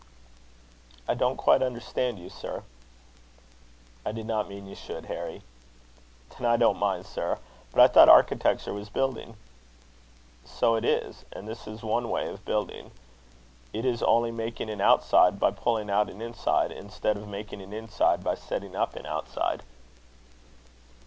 "I don't quite understand you, sir." "I did not mean you should, Harry." "Then I don't mind, sir. But I thought architecture was building." "So it is; and this is one way of building. It is only making an outside by pulling out an inside, instead of making an inside by setting up an outside."